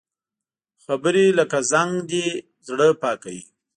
خبرې لکه زنګ دي، زړه پاکوي